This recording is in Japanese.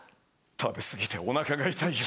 食べ過ぎてお腹が痛いよ」。